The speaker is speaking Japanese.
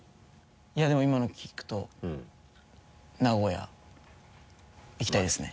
いやでも今の聞くと「名古屋」いきたいですね。